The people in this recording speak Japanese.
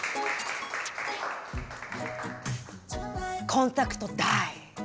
コンタクトダイ。